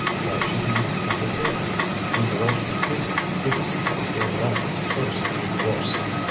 Why should he interfere? When girls refuse it is because they like first to be forced.